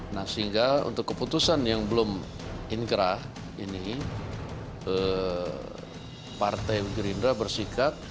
nah sehingga untuk keputusan yang belum inkrah ini partai gerindra bersikap